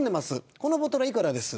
このボトル幾らです。